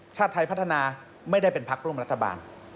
ชาติไทยพัฒนาไม่ได้เป็นพักร่วมรัฐบาล